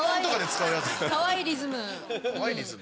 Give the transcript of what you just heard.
かわいいリズム。